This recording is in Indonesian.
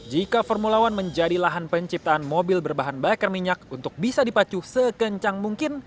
jika formula satu menjadi lahan penciptaan mobil berbahan bakar minyak untuk bisa dipacu sekencang mungkin